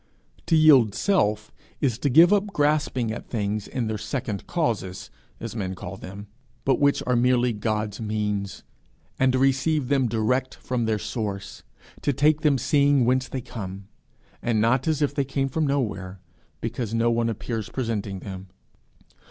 To yield self is to give up grasping at things in their second causes, as men call them, but which are merely God's means, and to receive them direct from their source to take them seeing whence they come, and not as if they came from nowhere, because no one appears presenting them.